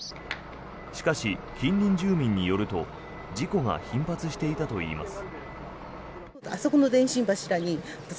しかし、近隣住民によると事故が頻発していたといいます。